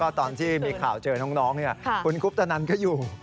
โอ้ตอนที่มีข่าวเจอทุกน้องคุณคุบตะนั้นก็อยู่